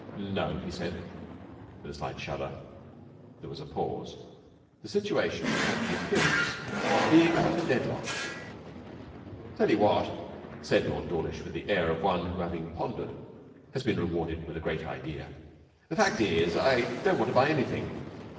'No,' he said, with a slight shudder. There was a pause. The situation had the appearance of being at a deadlock. 'I'll tell you what,' said Lord Dawlish, with the air of one who, having pondered, has been rewarded with a great idea: 'the fact is, I really don't want to buy anything.